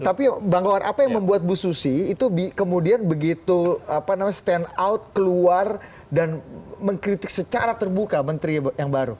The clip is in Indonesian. tapi bang gowar apa yang membuat bu susi itu kemudian begitu stand out keluar dan mengkritik secara terbuka menteri yang baru